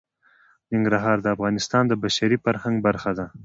ننګرهار د افغانستان د بشري فرهنګ برخه ده.